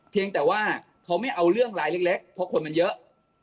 เพียงแต่ว่าเขาไม่เอาเรื่องรายเล็กเพราะคนมันเยอะ